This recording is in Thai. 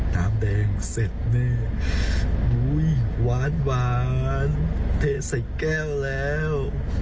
น้ำแดงเสร็จเนี้ยอุ้ยหวานหวานเทใส่แก้วแล้ว